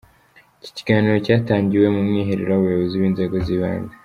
Iki kiganiro cyatangiwe mu mwiherero w’Abayobozi b’inzego z’ibanze.